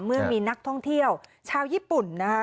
เมื่อมีนักท่องเที่ยวชาวญี่ปุ่นนะคะ